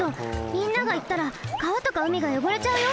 みんなが行ったらかわとかうみがよごれちゃうよ！